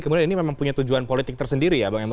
kemudian ini memang punya tujuan politik tersendiri ya